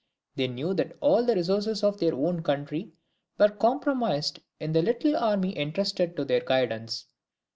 They knew that all the resources of their own country were comprised in the little army entrusted to their guidance.